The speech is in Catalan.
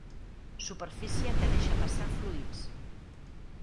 Superfície que deixa passar fluids.